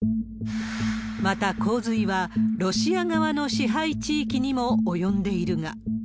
また、洪水はロシア側の支配地域にも及んでいるが。